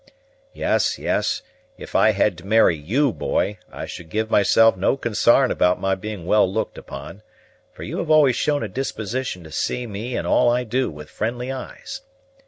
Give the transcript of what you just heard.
Yes, yes; if I had to marry you, boy, I should give myself no consarn about my being well looked upon, for you have always shown a disposition to see me and all I do with friendly eyes.